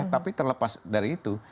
tapi terlepas dari itu